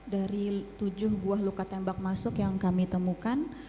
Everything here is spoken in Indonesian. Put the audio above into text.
dari tujuh buah luka tembak masuk yang kami temukan